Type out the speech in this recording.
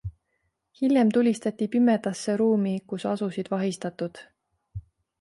Hiljem tulistati pimedasse ruumi, kus asusid vahistatud.